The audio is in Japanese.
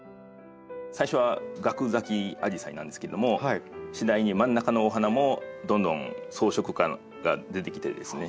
最初はガク咲きアジサイなんですけども次第に真ん中のお花もどんどん装飾花が出てきてですね。